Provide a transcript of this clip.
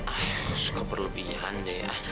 ayuh keperlebihan deh